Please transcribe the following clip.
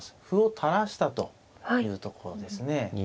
歩を垂らしたというところですね。